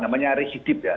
namanya residip ya